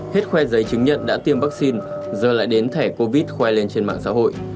hết khoe giấy chứng nhận đã tiêm vaccine giờ lại đến thẻ covid quay lên trên mạng xã hội